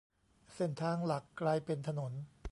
เส้นทางหลักกลายเป็นถนน